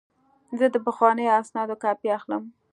زه د پخوانیو اسنادو کاپي اخلم.